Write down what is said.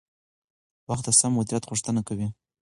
وخت د سم مدیریت غوښتنه کوي